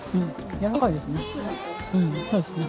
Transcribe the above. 柔らかいですね。